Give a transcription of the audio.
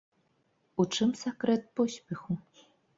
У чым сакрэт поспеху?